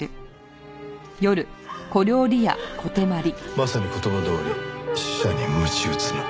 まさに言葉どおり「死者に鞭打つな」。